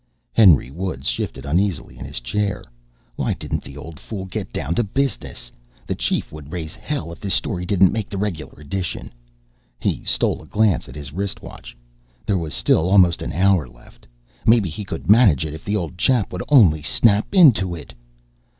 Henry Woods shifted uneasily in his chair. Why didn't the old fool get down to business? The chief would raise hell if this story didn't make the regular edition. He stole a glance at his wrist watch. There was still almost an hour left. Maybe he could manage it. If the old chap would only snap into it!